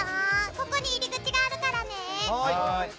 ここに入り口があるからね。